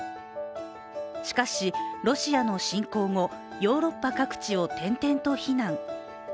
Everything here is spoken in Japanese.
しかし、ロシアの侵攻後、ヨーロッパ各地を転々と避難。